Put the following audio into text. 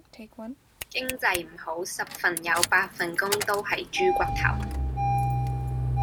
經濟唔好十份有八份工都喺豬頭骨